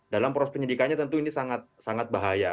dalam proses penyidikannya tentu ini sangat bahaya